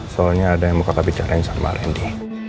soalnya ada yang mau kata bicarain sama randy